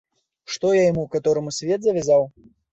Што я яму катораму свет завязаў?